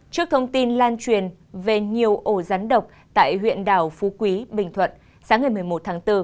trước thông tin lan truyền về nhiều ổ rắn độc tại huyện đảo phú quý bình thuận sáng ngày một mươi một tháng bốn